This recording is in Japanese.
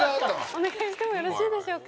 お願いしてもよろしいでしょうか？